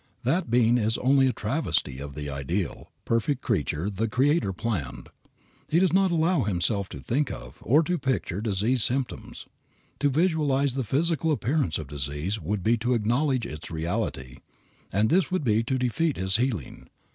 That being is only a travesty of the ideal, perfect creature the Creator planned. He does not allow himself to think of, or to picture disease symptoms. To visualize the physical appearance of disease would be to acknowledge its reality, and this would be to defeat his healing.